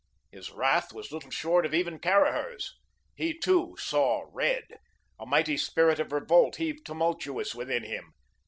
His wrath was little short of even Caraher's. He too "saw red"; a mighty spirit of revolt heaved tumultuous within him.